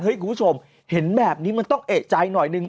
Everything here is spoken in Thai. คุณผู้ชมเห็นแบบนี้มันต้องเอกใจหน่อยนึง